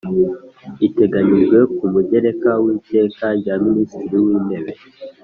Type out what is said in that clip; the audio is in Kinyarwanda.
iteganyijwe ku mugereka w’iteka rya minisitiri w’intebe